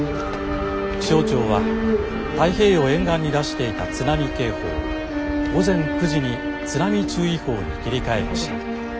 気象庁は太平洋沿岸に出していた津波警報を午前９時に津波注意報に切り替えました。